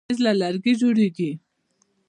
مېز له لرګي جوړېږي.